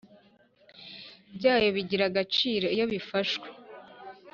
Byayo bigira agaciro iyo bifashwe